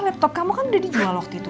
laptop kamu kan udah dijual waktu itu